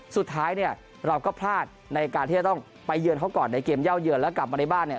สุดท้ายเนี่ยเราก็พลาดในการที่จะต้องไปเยือนเขาก่อนในเกมเย่าเยือนแล้วกลับมาในบ้านเนี่ย